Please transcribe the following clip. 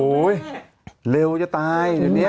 เร็วจะตายเดี๋ยวนี้